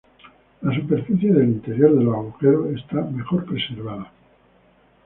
La superficie del interior de los agujeros está mejor preservada.